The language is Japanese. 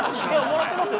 もらってますよ。